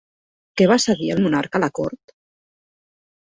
Què va cedir el monarca a la Cort?